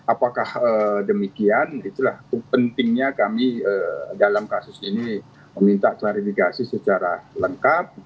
apakah demikian itulah pentingnya kami dalam kasus ini meminta klarifikasi secara lengkap